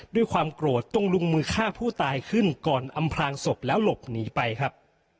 ด้วยความโกรธจงลงมือฆ่าผู้ตายขึ้นก่อนอำพลางศพแล้วหลบหนีไปครับ